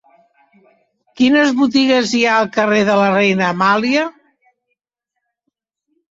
Quines botigues hi ha al carrer de la Reina Amàlia?